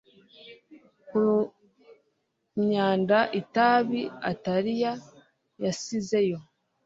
ku myanda itabi Attila yasizeyo